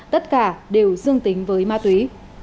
tất cả đều dương tính với ma túy